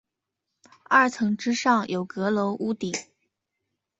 二层之上有阁楼屋顶。